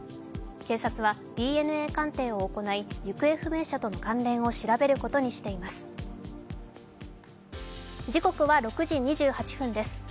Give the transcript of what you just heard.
警察はＤＮＡ鑑定を行い行方不明者との関連を調べることにしています。